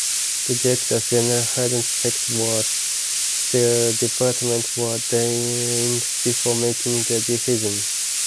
The Directors General "hadn't checked what their departments were doing before making their decision".